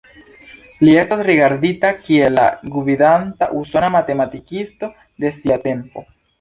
Li estas rigardita kiel la gvidanta usona matematikisto de sia tempo.